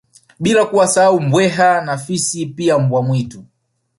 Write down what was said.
Bila kuwasahau Mbweha na Fisi pia Mbwa mwitu